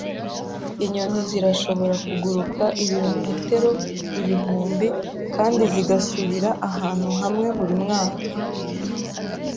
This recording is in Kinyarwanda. Inyoni zirashobora kuguruka ibirometero ibihumbi kandi zigasubira ahantu hamwe buri mwaka